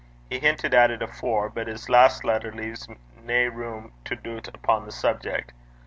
He hintit at it afore, but his last letter leaves nae room to doobt upo' the subjeck.